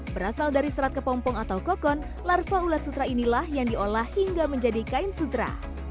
berasal dari serat kepompong atau kokon larva ulat sutra inilah yang diolah hingga menjadi kain sutra